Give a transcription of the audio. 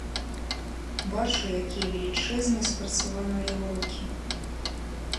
Бачу якія велічэзныя і спрацаваныя ў яго рукі.